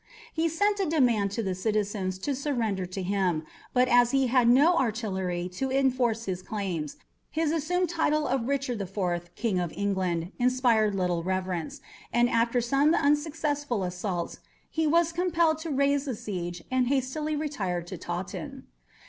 He sent a demand to the citizens to surrender to him, but as he had no artillery to enforce his claims, his assumed title of Richard the Fourth, King of England, inspired little reverence, and after some unsuccessful assaults he was compelled to raise the siege and hastily retire to Taunton.